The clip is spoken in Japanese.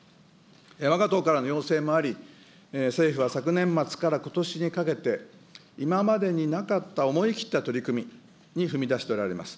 わが党からの要請もあり、政府は昨年末からことしにかけて、今までになかった思い切った取り組みに踏み出しておられます。